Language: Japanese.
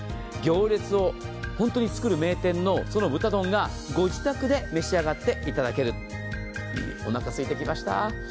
行列を本当に作る名店のその豚丼が御自宅で召しあがっていただける、おなかすいてきました。